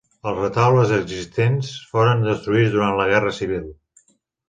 Els retaules existents foren destruïts durant la Guerra Civil.